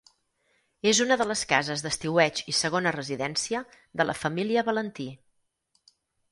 És una de les cases d'estiueig i segona residència de la família Valentí.